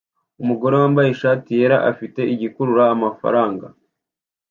Umugore wambaye ishati yera afite igikurura amafaranga